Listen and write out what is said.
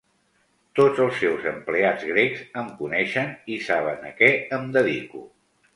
Tots els seus empleats grecs em coneixen i saben a què em dedico.